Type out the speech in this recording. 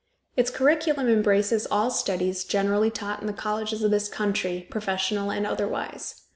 Its curriculum embraces all studies generally taught in the colleges of this country, professional and otherwise.